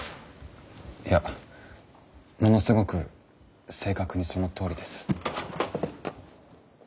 いやものすごく正確にそのとおりです。